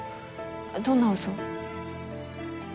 どんな嘘？